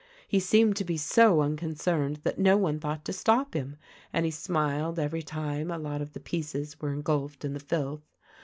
He seemed to be so unconcerned that no one thought to stop him, and he smiled every time a lot of the pieces were engulfed in the filth.